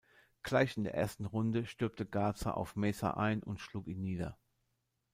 Gleich in der ersten Runde stürmte Garza auf Meza ein und schlug ihn nieder.